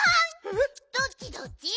ドッチドッチ？